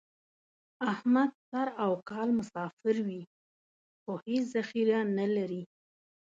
احمد سر او کال مسافر وي، خو هېڅ ذخیره نه لري.